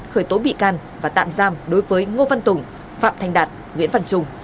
khởi tố bị can và tạm giam đối với ngô văn tùng phạm thành đạt nguyễn văn trung